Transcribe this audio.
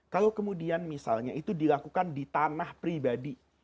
kalau kemudian misalnya itu dilakukan di tanah pribadi